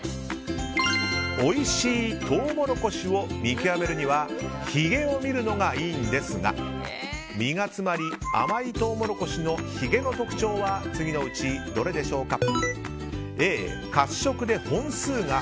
おいしいトウモロコシを見極めるにはひげを見るのがいいのですが実が詰まり、甘いトウモロコシのひげの特徴は次のうちどれでしょうか。